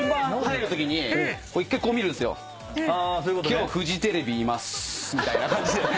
「今日フジテレビいます」みたいな感じで。